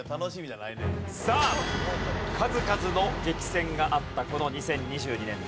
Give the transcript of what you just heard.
さあ数々の激戦があったこの２０２２年の『Ｑさま！！』